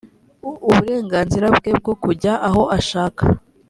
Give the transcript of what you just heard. uburenganzira bwe bwo kujya aho ashaka